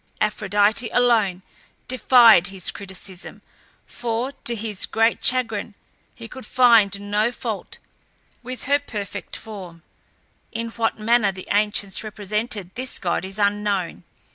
Aphrodite alone defied his criticism, for, to his great chagrin, he could find no fault with her perfect form. In what manner the ancients represented this god is unknown.